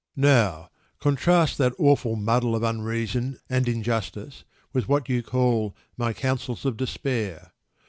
Now, contrast that awful muddle of unreason and injustice with what you call my "counsels of despair."